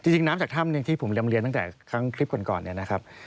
จริงน้ำจากถ้ำอย่างที่ผมนำเรียนตั้งแต่ครั้งคลิปก่อนเนี่ยนะครับ